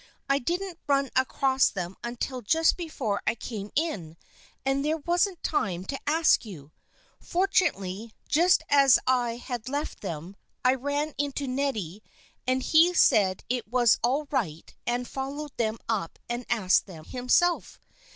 I didn't run across them until just before I came in and there wasn't time to ask you. Fortunately just as I had left them I ran into Neddy, and he said it was all right and followed them up and asked them himself.